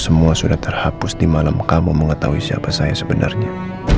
semua sudah terhapus di malam kamu mengetahui siapa saya sebenarnya